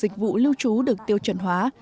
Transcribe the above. khách du lịch dịch vụ lưu trú được tiêu chuẩn hóa